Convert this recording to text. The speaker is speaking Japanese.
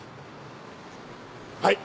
はい！